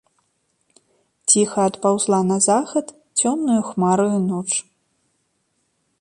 Ціха адпаўзла на захад цёмнаю хмараю ноч.